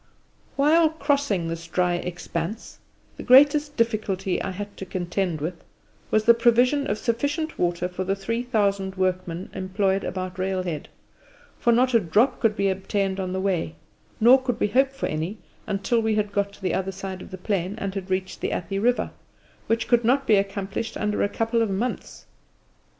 While crossing this dry expanse, the greatest difficulty I had to contend with was the provision of sufficient water for the three thousand workmen employed about railhead, for not a drop could be obtained on the way, nor could we hope for any until we had got to the other side of the plain and had reached the Athi River, which could not be accomplished under a couple of months.